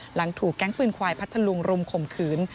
หลังถูกแก๊งปืนควายพัทธลุงรุมข่มขืน